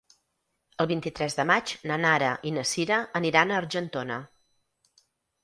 El vint-i-tres de maig na Nara i na Sira aniran a Argentona.